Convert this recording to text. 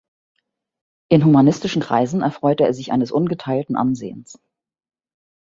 In humanistischen Kreisen erfreute er sich eines ungeteilten Ansehens.